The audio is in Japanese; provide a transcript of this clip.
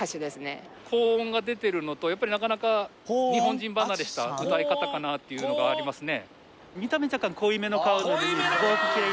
やっぱりなかなか日本人離れした歌い方かなっていうのがありますね。